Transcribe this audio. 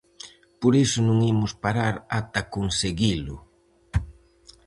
Por iso non imos parar ata conseguilo!